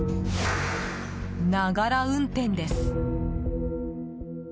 ながら運転です。